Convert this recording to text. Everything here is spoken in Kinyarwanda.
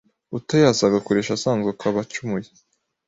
utayazi agakoresha asanzwe akaba acumuye